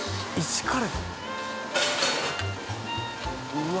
うわ！